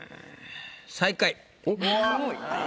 最下位。